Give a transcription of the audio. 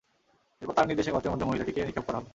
এরপর তার নির্দেশে গর্তের মধ্যে মহিলাটিকে নিক্ষেপ করা হল।